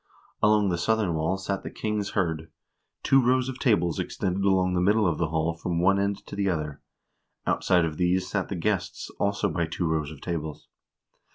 Along the southern wall sat the king's hird. Two rows of tables extended along the middle of the hall from one end to the other. Outside of these sat the guests, also by two rows of tables.